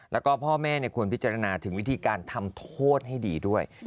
แล้วก็พ่อแม่ควรพิจารณาถึงวิธีการทำโทษให้ดีด้วย